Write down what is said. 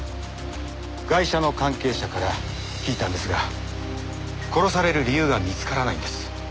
ガイシャの関係者から聞いたんですが殺される理由が見つからないんです。